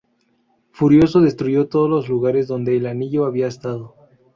Furioso, destruyó todos los lugares donde el anillo había estado.